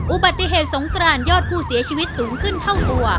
อุบัติเหตุสงกรานยอดผู้เสียชีวิตสูงขึ้นเท่าตัว